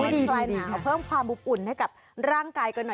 ดีเพิ่มความบุบอุ่นให้กับร่างกายก่อนหน่อย